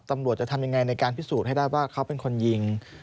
ตำรวจจะทำยังไงในการพิสูจน์ให้ได้ว่าเขาเป็นคนยิง